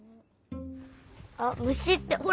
あっ「むし」ってほら